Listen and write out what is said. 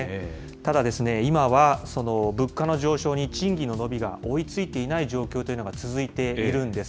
ただですね、今は物価の上昇に賃金の伸びが追いついていない状況というのが続いているんです。